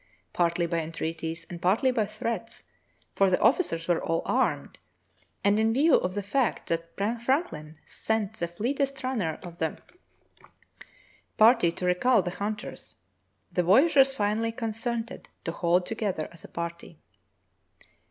Partly by entreaties and partly by threats, for the officers were all armed (and in view of the fact that Franklin sent the fleetest runner of the 30 True Tales of Arctic Heroism party to recall the hunters), the voyageurs finally con sented to hold together as a party.